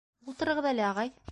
- Ултыртығыҙ әле, ағай?